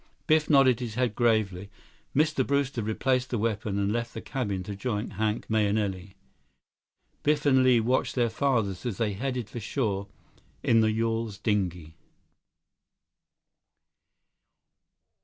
Biff nodded his head gravely. Mr. Brewster replaced the weapon and left the cabin to join Hank Mahenili. Biff and Li watched their fathers as they headed for shore in the yawl's dinghy.